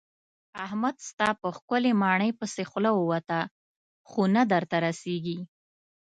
احمد ستا په ښکلې ماڼۍ پسې خوله ووته خو نه درته رسېږي.